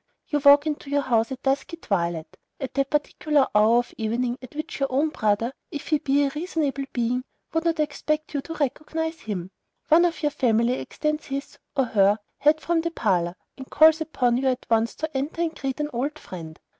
You walk into your house at dusky twilight, at that particular hour of evening at which your own brother, if he be a reasonable being, would not expect you to recognize him; one of your family extends his (or her) head from the parlor, and calls upon you at once to enter, and greet "an old friend."